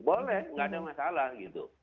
boleh nggak ada masalah gitu